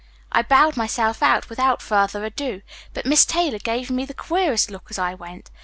I bowed myself out without further ado, but Miss Taylor gave me the queerest look as I went.